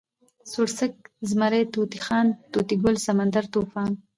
سوړسک، زمری، طوطی خان، طوطي ګل، سمندر، طوفان